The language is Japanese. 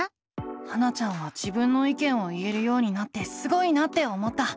ハナちゃんは自分の意見を言えるようになってすごいなって思った。